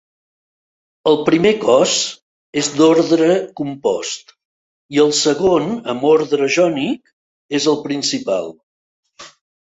El primer cos és d'ordre compost i el segon amb ordre jònic és el principal.